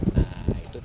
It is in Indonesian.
nah itu tentu saja